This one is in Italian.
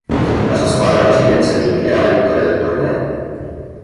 La sua squadra alla fine si aggiudicherà la vittoria del torneo.